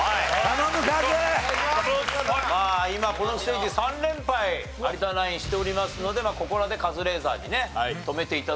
まあ今このステージ３連敗有田ナインしておりますのでここらでカズレーザーにね止めて頂こうと。